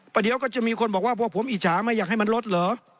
เดี๋ยวก็จะมีคนบอกว่าพวกผมอิจฉาไม่อยากให้มันลดเหรอ